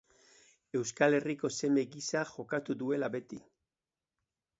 Euskal Herriko seme gisa jokatu duela beti.